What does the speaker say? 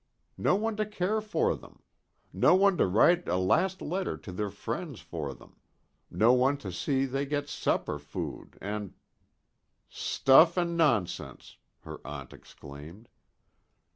No one to care for them. No one to write a last letter to their friends for them. No one to see they get proper food, and " "Stuff and nonsense!" her aunt exclaimed.